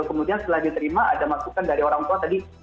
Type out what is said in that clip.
kemudian setelah diterima ada masukan dari orang tua tadi